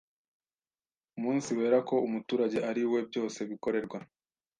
Umunsibera ko umuturage ari we byose bikorerwa,